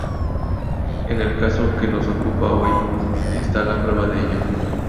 En el caso que nos ocupa hoy está la prueba de ello.